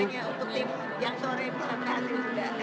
semoga berani untuk yang sore bisa menanggung